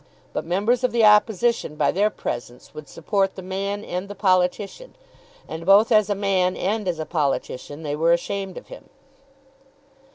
But members of the Opposition, by their presence, would support the man and the politician, and both as a man and as a politician they were ashamed of him.